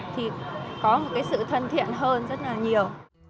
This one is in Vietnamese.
thì có một cái sự thân thiện hơn rất là nhiều